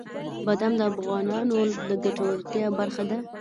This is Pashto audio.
بادام د افغانانو د ګټورتیا برخه ده.